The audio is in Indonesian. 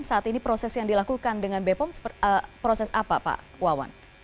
saat ini proses yang dilakukan dengan bepom proses apa pak wawan